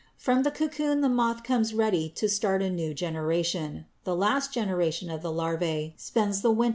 From the cocoon the moth comes ready to start a new generation. The last generation of the larvæ spends the winter in the cocoon.